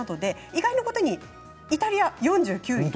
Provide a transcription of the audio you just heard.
意外なことにイタリアは４９位。